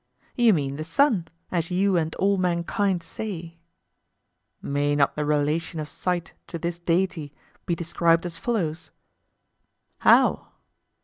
You mean the sun, as you and all mankind say. May not the relation of sight to this deity be described as follows? How?